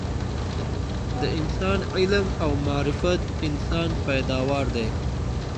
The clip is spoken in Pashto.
د انسان علم او معرفت انسان پیداوار دي